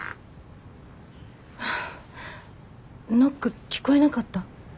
ノック聞こえなかった？